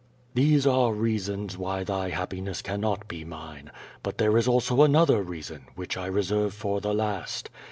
These are reasons why thy happiness cannot be mine; but there is also another reason, which I reserve for the last.